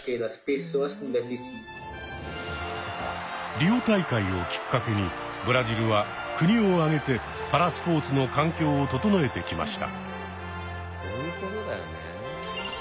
リオ大会をきっかけにブラジルは国を挙げてパラスポーツの環境を整えてきました。